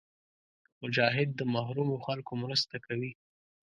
مجاهد د محرومو خلکو مرسته کوي.